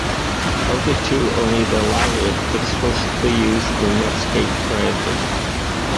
Of the two, only the latter explicitly uses the Netscape branding.